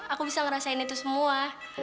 aku bisa ngerasain itu semua